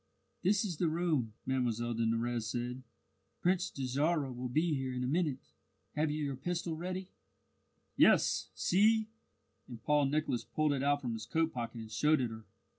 "This is the room," Mlle de Nurrez said. "Prince Dajarah will be here in a minute. Have you your pistol ready?" "Yes, see!" and Paul Nicholas pulled it out from his coat pocket and showed it her.